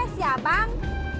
yes ya bang